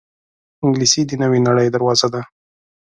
انګلیسي د نوې نړۍ دروازه ده